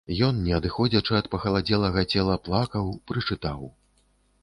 Ён, не адыходзячы ад пахаладзелага цела, плакаў, прычытаў.